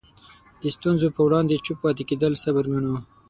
د ستونزو په وړاندې چوپ پاتې کېدل صبر ګڼو.